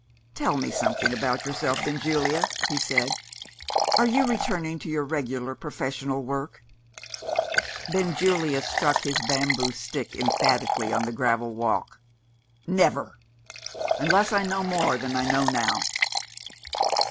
"Tell me something about yourself, Benjulia," he said. "Are you returning to your regular professional work?" Benjulia struck his bamboo stick emphatically on the gravel walk. "Never! Unless I know more than I know now."